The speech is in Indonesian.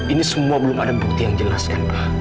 ini semua belum ada bukti yang jelas kan pak